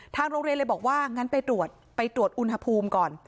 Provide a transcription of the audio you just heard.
โรงเรียนเลยบอกว่างั้นไปตรวจไปตรวจอุณหภูมิก่อน